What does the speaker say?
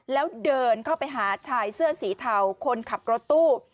แล้วเดินเข้าไปหาชายเสื้อสีเทาคนขับรถตู้